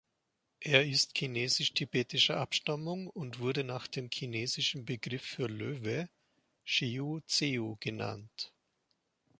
Er ist chinesisch-tibetischer Abstammung und wurde nach dem chinesischen Begriff für „Löwe“, "Sheu-Tzeu", genannt.